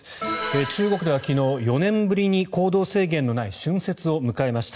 中国では昨日、４年ぶりに行動制限のない春節を迎えました。